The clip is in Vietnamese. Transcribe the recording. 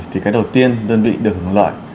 thì cái đầu tiên đơn vị được hưởng lợi